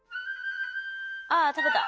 あ食べた。